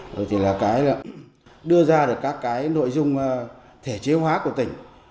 rồi thì là đưa ra các nội dung thể chế hóa của tỉnh